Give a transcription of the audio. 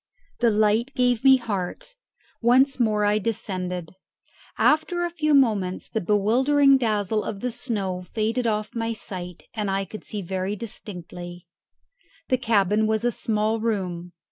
The light gave me heart. Once more I descended. After a few moments the bewildering dazzle of the snow faded off my sight, and I could see very distinctly. The cabin was a small room.